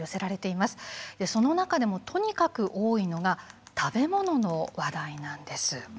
その中でもとにかく多いのが食べ物の話題なんです。